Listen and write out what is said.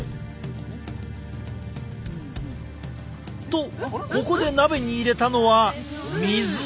とここで鍋に入れたのは水。